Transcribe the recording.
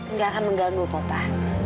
nggak akan mengganggu papa